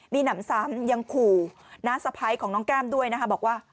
มีหนำซ้ำยังขู่น้าสะพ้ายของน้องแก้มด้วยนะคะบอกว่า